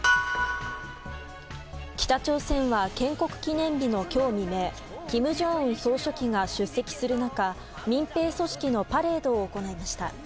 北朝鮮は建国記念日の今日未明金正恩総書記が出席する中民兵組織のパレードを行いました。